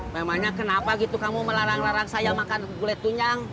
memangnya kenapa gitu kamu melarang larang saya makan gulai tunjang